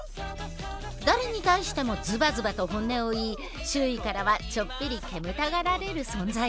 誰に対してもズバズバと本音を言い周囲からはちょっぴり煙たがられる存在。